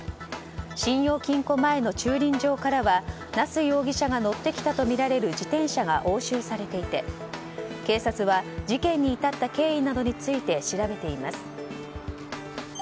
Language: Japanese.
信用金庫前の駐輪場からは那須容疑者が乗ってきたとみられる自転車が押収されていて警察は事件に至った経緯などについて調べています。